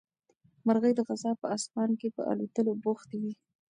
مرغۍ د غزا په اسمان کې په الوتلو بوختې وې.